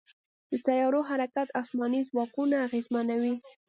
د سیارو حرکت اسماني ځواکونه اغېزمنوي.